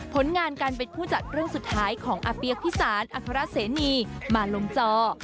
ผลงานการเป็นผู้จัดเรื่องสุดท้ายของอฟิยกพีศานอศรษณีมาลงจอ